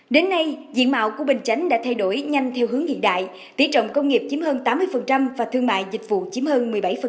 đến nay diện mạo của bình chánh đã thay đổi nhanh theo hướng hiện đại tỉ trọng công nghiệp chiếm hơn tám mươi và thương mại dịch vụ chiếm hơn một mươi bảy